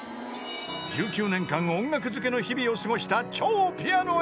［１９年間音楽漬けの日々を過ごした］